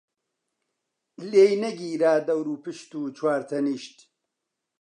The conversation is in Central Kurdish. لێی نەگیرا دەوروپشت و چوار تەنیشت،